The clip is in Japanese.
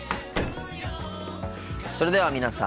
それでは皆さん